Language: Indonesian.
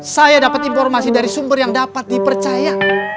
saya dapat informasi dari sumber yang dapat dipercaya